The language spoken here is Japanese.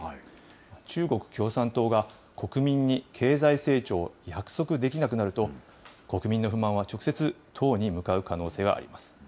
中国共産党が国民に経済成長を約束できなくなると、国民の不満は直接、党に向かう可能性があります。